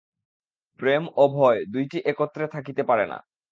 প্রেম ও ভয় দুইটি একত্র থাকিতে পারে না।